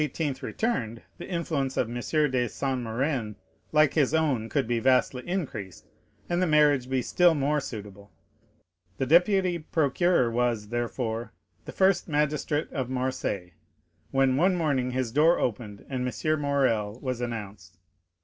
returned, the influence of M. de Saint Méran, like his own, could be vastly increased, and the marriage be still more suitable. The deputy procureur was, therefore, the first magistrate of Marseilles, when one morning his door opened, and M. Morrel was announced.